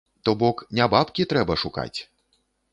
То бок не бабкі трэба шукаць!